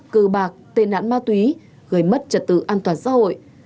cơ bạc tên án ma túy gây mất trật tự an toàn xã hội